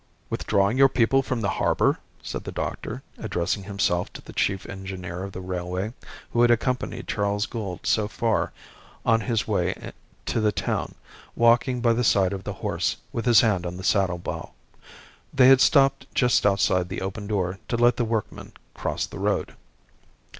"Withdrawing your people from the harbour?" said the doctor, addressing himself to the chief engineer of the railway, who had accompanied Charles Gould so far on his way to the town, walking by the side of the horse, with his hand on the saddle bow. They had stopped just outside the open door to let the workmen cross the road.